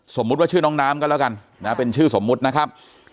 สมมุติว่าชื่อน้องน้ำก็แล้วกันนะเป็นชื่อสมมุตินะครับ